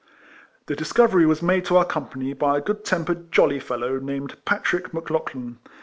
The dis covery was made to our company by a good tempered, jolly fellow, named Patrick Mc Lauchlan.